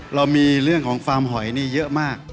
เรามีเรื่องของฟาร์มหอยนี่เยอะมาก